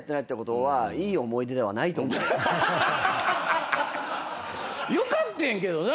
ハハハよかってんけどな。